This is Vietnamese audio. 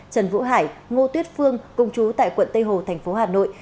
trần vũ hải ngô tuyết phương cùng chú tại quận tây hồ tp hà nội